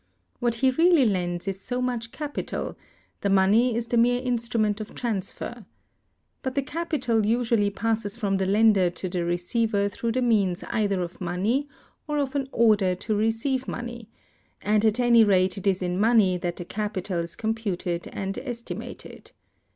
What he really lends is so much capital; the money is the mere instrument of transfer. But the capital usually passes from the lender to the receiver through the means either of money, or of an order to receive money, and at any rate it is in money that the capital is computed and estimated.